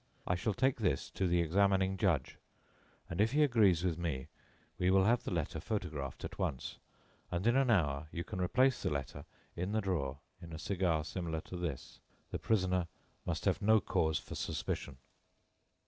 I shall take this to the examining judge, and, if he agrees with me, we will have the letter photographed at once, and in an hour you can replace the letter in the drawer in a cigar similar to this. The prisoner must have no cause for suspicion."